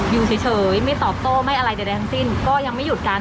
อยู่เฉยไม่ตอบโต้ไม่อะไรใดทั้งสิ้นก็ยังไม่หยุดกัน